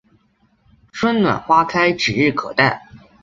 春暖花开指日可待